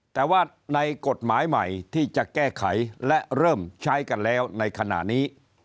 แต่ว่าในกฎหมายใหม่ที่จะแก้ไขและเริ่มใช้กันแล้วในขณะนี้